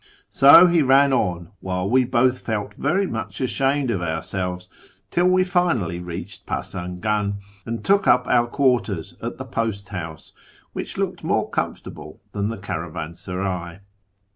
So he ran on, while we both felt very much ashamed of ourselves, till we finally reached Pasangan, and took up our quarters at the post house, which looked more comfortable than the caravansaray.